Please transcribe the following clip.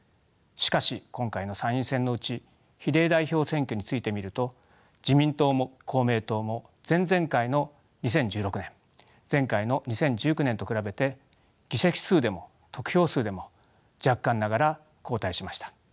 しかし今回の参院選のうち比例代表選挙について見ると自民党も公明党も前々回の２０１６年前回の２０１９年と比べて議席数でも得票数でも若干ながら後退しました。